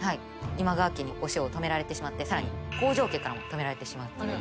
今川家にお塩を止められてしまってさらに北条家からも止められてしまうっていう。